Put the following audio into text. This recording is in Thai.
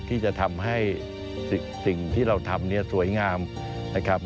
ที่จะทำให้สิ่งที่เราทำเนี่ยสวยงามนะครับ